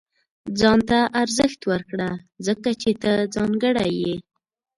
• ځان ته ارزښت ورکړه، ځکه چې ته ځانګړی یې.